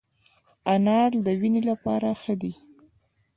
انار د وینې لپاره ښه دی